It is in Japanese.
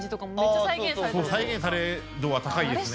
再現され度は高いですね。